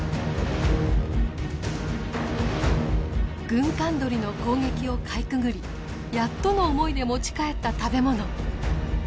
グンカンドリの攻撃をかいくぐりやっとの思いで持ち帰った食べ物。